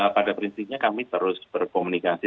pada prinsipnya kami terus berkomunikasi